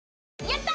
やった！